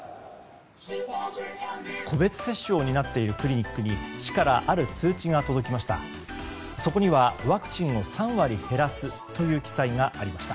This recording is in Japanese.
個別接種を担っているクリニックに市から、ある通知が届きました。